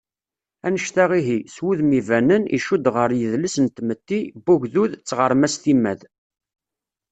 Annect-a ihi, s wudem ibanen, icudd ɣer yidles n tmetti, n ugdud, d tɣerma s timmad.